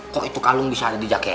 kok itu kalung bisa ada di jake